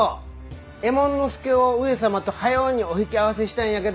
右衛門佐を上様とはようにお引き合わせしたいんやけど。